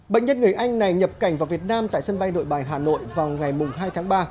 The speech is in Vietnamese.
bệnh nhân người anh này nhập cảnh vào việt nam tại sân bay nội bài hà nội vào ngày hai tháng ba